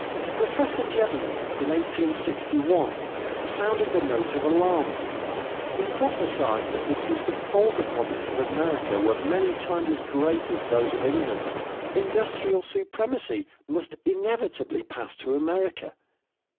Professor Jevons, in 1861, sounded the note of alarm; he prophesied that because the coal deposits of America were many times as great as those of England, industrial supremacy must inevitably pass to America.